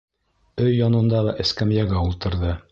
Өй янындағы эскәмйәгә ултырҙы.